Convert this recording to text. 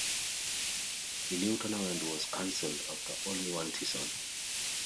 The new tournament was cancelled after only one season.